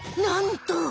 なんと！